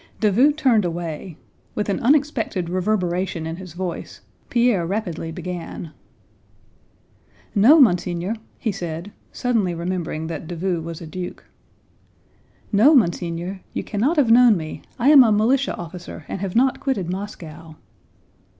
Davout turned away. With an unexpected reverberation in his voice Pierre rapidly began: "No, monseigneur," he said, suddenly remembering that Davout was a duke. "No, monseigneur, you cannot have known me. I am a militia officer and have not quitted Moscow."